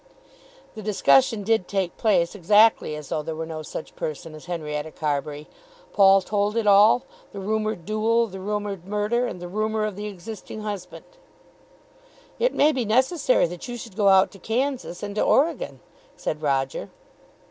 The discussion did take place exactly as though there were no such person as Henrietta Carbury. Paul told it all, the rumoured duel, the rumoured murder, and the rumour of the existing husband. "It may be necessary that you should go out to Kansas, and to Oregon," said Roger.